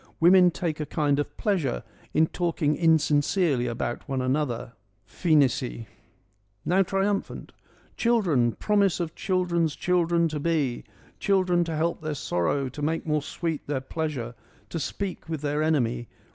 Women take a kind of pleasure in talking insincerely about one another.' — (Phoenissae.) now triumphant —' Children, promise of children's children to be, Children to help their sorrow, to make more sweet their pleasure, 102 FEMINISM IN GREEK LITERATURE To speak with their enemy